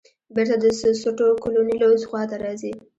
بېرته د سوټو کولونیلو خواته راځې.